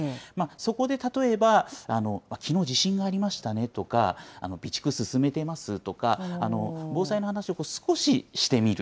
そこで例えば、きのう、地震がありましたね、とか、備蓄進めてます？とか、防災の話を少ししてみる。